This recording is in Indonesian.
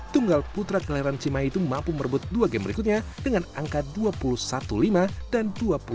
tunggal putra kelahiran cimahi itu mampu merebut dua game berikutnya dengan angka dua puluh satu lima dan dua puluh satu